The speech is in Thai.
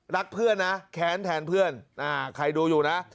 รักเพื่อนนะแค้นแทนเพื่อนใครดูอยู่นะ